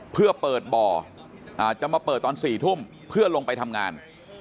เพื่อเปิดบ่อจะมาเปิดตอน๔ทุ่มเพื่อลงไปทำงาน